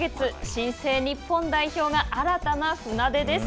新生日本代表が新たな船出です。